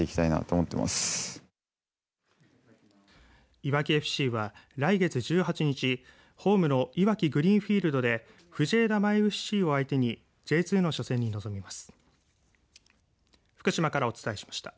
いわきＦＣは来月１８日ホームのいわきグリーンフィールドで藤枝ＭＹＦＣを相手にＪ２の初戦に臨みます。